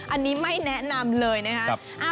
อันนี้ไม่แนะนำเลยนะครับ